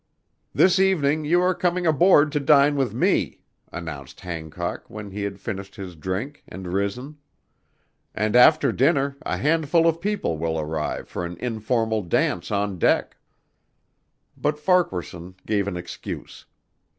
"This evening you are coming aboard to dine with me," announced Hancock when he had finished his drink and risen, "and after dinner a handful of people will arrive for an informal dance on deck." But Farquaharson gave an excuse.